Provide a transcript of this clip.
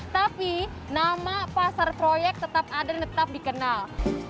tapi nama pasar proyek tetap ada dan tetap dikenal